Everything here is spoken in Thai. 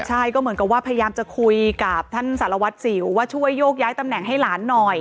ใช่ก็เหมือนกับว่าพยายามจะคุยกับท่านสารวัตรสิวว่าช่วยโยกย้ายตำแหน่งให้หลานหน่อย